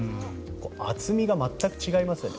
厚みが全く違いますよね